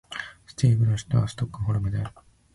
スウェーデンの首都はストックホルムである